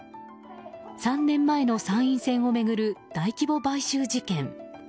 ３年前の参院選を巡る大規模買収事件。